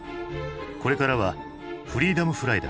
これからはフリーダムフライだ」。